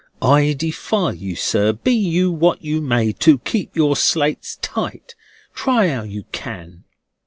I defy you, sir, be you what you may, to keep your slates tight, try how you can."